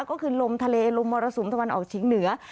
ก็คือลมทะเลลมมรสุมตะวันออกเฉียงเหนือ